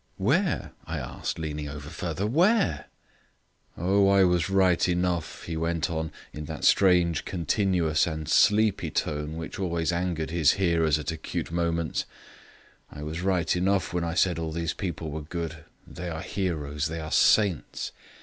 "Where?" I asked, leaning over further, "where?" "Oh, I was right enough," he went on, in that strange continuous and sleepy tone which always angered his hearers at acute moments, "I was right enough when I said all these people were good. They are heroes; they are saints.